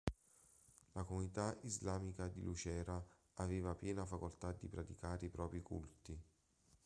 La comunità islamica di Lucera aveva piena facoltà di praticare i propri culti.